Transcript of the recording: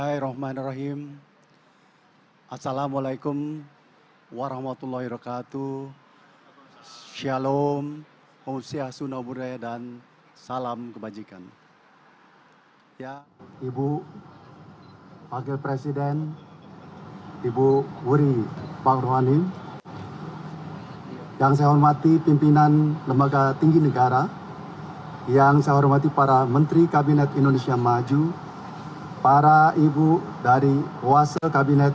integrasi di wilayah jakarta bogor depok dan bekasi